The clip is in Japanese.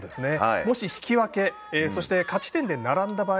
もし引き分けそして勝ち点で並んだ場合